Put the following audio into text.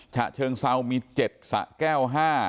ฉะเชิงเซามี๗สะแก้ว๕